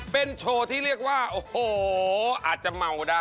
เป็นโชว์ที่เรียกว่าโอ้โหอาจจะเมาได้